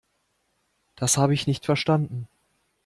Das habe ich nicht verstanden.